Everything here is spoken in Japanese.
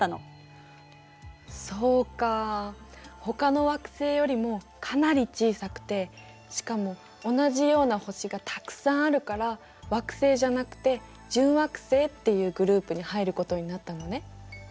そうかあほかの惑星よりもかなり小さくてしかも同じような星がたくさんあるから惑星じゃなくて準惑星っていうグループに入ることになったのね。